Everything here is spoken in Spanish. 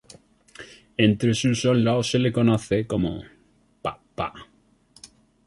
Entre sus soldados se le conoce como "papá".